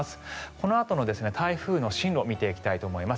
このあとの台風の進路を見ていきたいと思います。